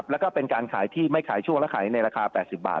แล้วก็เป็นการขายที่ไม่ขายช่วงและขายในราคา๘๐บาท